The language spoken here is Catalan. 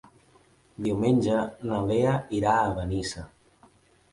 Diumenge na Lea irà a Benissa.